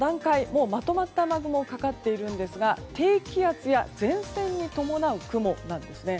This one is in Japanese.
もうまとまった雨雲かかっているんですが低気圧や前線に伴う雲なんですね。